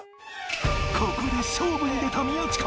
ここで勝負に出た宮近！